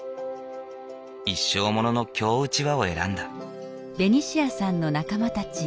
一生ものの京うちわを選んだ。